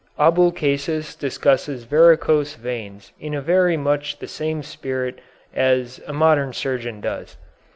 Abulcasis discusses varicose veins in very much the same spirit as a modern surgeon does.